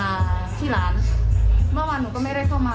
แล้วหนูก็ต้องระวังว่าหนูไม่กล้ามารณาพี่หลานเมื่อวานหนูก็ไม่ได้เข้ามา